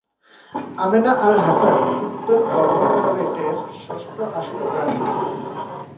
Amena Al Hasan উত্তর গভর্নরেটের ষষ্ঠ আসনে প্রার্থী ছিলেন।